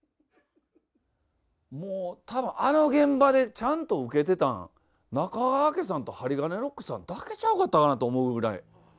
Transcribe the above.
もう多分あの現場でちゃんとウケてたん中川家さんとハリガネロックさんだけちゃうかったかなと思うぐらい。